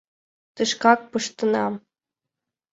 Тышкак пыштенам.